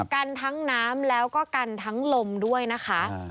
กันทั้งน้ำแล้วก็กันทั้งลมด้วยนะคะ